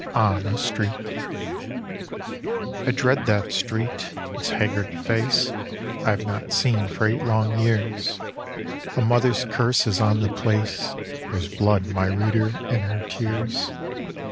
On a Street I dread that street its haggard face I have not seen for eight long years; A mother's curse is on the place, (There's blood, my reader, in her tears).